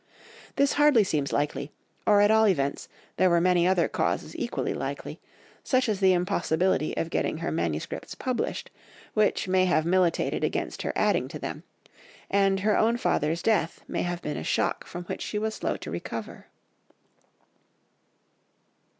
This hardly seems likely, or at all events there were many other causes equally likely, such as the impossibility of getting her MSS. published, which may have militated against her adding to them, and her own father's death may have been a shock from which she was slow to recover.